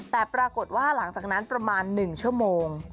แต่ปรากฏว่าหลังจากนั้นประมาณ๑ชั่วโมง